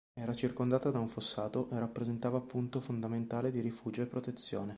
Era circondata da un fossato e rappresentava punto fondamentale di rifugio e protezione.